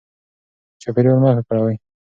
چاپیریال مه ککړوئ.